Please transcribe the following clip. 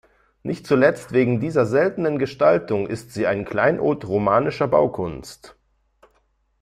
Nicht zuletzt wegen dieser seltenen Gestaltung ist sie ein Kleinod romanischer Baukunst.